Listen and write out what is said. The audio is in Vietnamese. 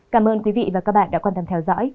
cảm ơn quý vị và các bạn đã quan tâm theo dõi